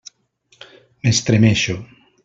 M'estremeixo.